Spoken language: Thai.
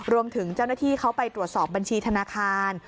รวมถึงเจ้าหน้าที่เขาไปตรวจสอบบัญชีธนาคาร